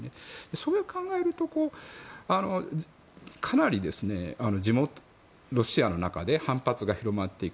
そういうことを考えるとかなりロシアの中で反発が広まっていく。